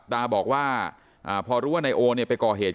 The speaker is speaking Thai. ตาร์บอกว่าพอรู้ว่านายโอไปก่อเหตุ